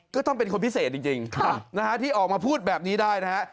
ก็ต้องเป็นคนพิเศษจริงนะฮะที่ออกมาพูดแบบนี้ได้นะฮะ